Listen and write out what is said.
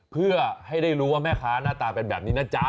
เพื่อให้ได้รู้ว่าแม่ค้าหน้าตาเป็นแบบนี้นะจ๊ะ